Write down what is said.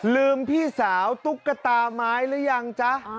ลืมพี่สาวตุ๊กตาไม้หรือยังจ๊ะ